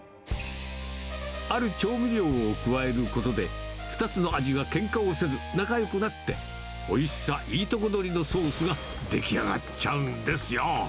ある調味料を加えることで、２つの味がけんかをせず、仲よくなって、おいしさいいとこ取りのソースが出来上がっちゃうんですよ。